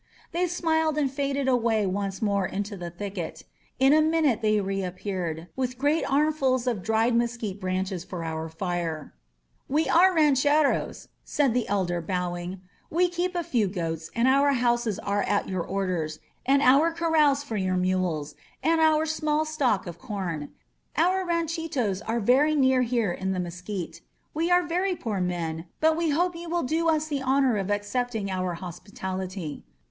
They smiled and faded away once more into the thicket. In a minute they reappeared, with great arm fuls of dried mesquite branches for our fire. "We are rancheroSy said the elder, bowing. "We keep a few goats, and our houses are at your orders, and our corrals for your mules, and our small stock of corn. Our ranchitos are very near here in the 168 SYMBOLS OF MEXICO mesquite. We are very poor men, but we hope you will do us the honor of accepting our hospitality."